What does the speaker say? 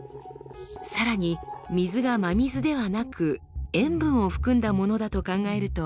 さらに水が真水ではなく塩分を含んだものだと考えると。